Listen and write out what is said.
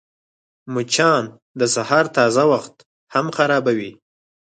مچان د سهار تازه وخت هم خرابوي